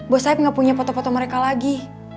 bos saya gak punya foto foto mereka lagi